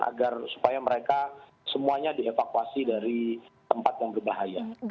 agar supaya mereka semuanya dievakuasi dari tempat yang berbahaya